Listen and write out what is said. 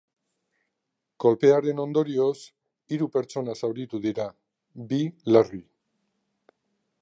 Kolpearen ondorioz, hiru pertsona zauritu dira, bi larri.